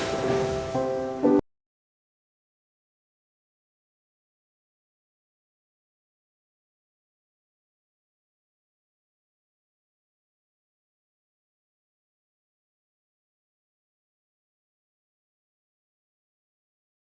ini yang apa aja tuhan